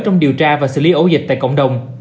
trong điều tra và xử lý ổ dịch tại cộng đồng